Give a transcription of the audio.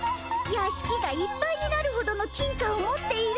やしきがいっぱいになるほどの金貨を持っているっていうのに。